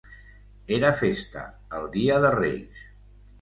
Era festa, el dia de Reis.